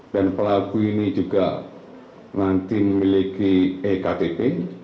dan pelaku ini juga nanti memiliki ektp